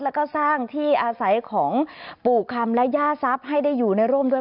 แล้วก็สร้างที่อาศัยของปู่คำและย่าทรัพย์ให้ได้อยู่ในร่มด้วย